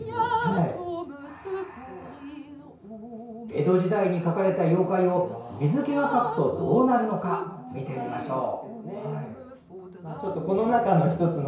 江戸時代に描かれた妖怪を水木が描くとどうなるのか見てみましょう。